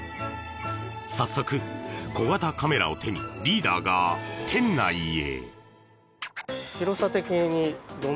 早速、小型カメラを手にリーダーが店内へ。